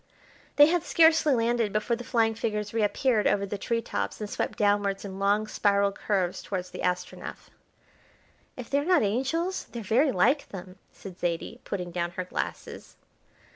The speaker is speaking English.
They had scarcely landed before the flying figures reappeared over the tree tops and swept downwards in long spiral curves towards the Astronef. "If they're not angels, they're very like them," said Zaidie, putting down her glasses.